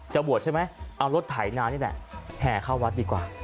บวชใช่ไหมเอารถไถนานี่แหละแห่เข้าวัดดีกว่า